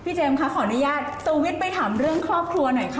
ค่ะพี่เจมส์คะขออนุญาตตัววิทย์ไปถามเรื่องครอบครัวหน่อยค่ะ